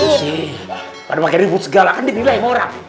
iya sih pada pakai ribut segala kan dibilang orang